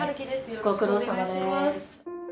ご苦労さまです。